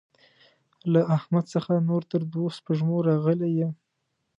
له احمد څخه نور تر دوو سپږمو راغلی يم.